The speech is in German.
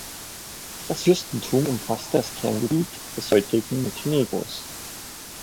Das Fürstentum umfasste das Kerngebiet des heutigen Montenegros.